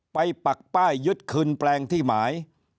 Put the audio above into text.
ปักป้ายยึดคืนแปลงที่หมาย